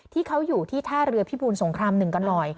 ที่เขาอยู่ที่ท่าเรือพิบูรสงคราม๑กันหน่อย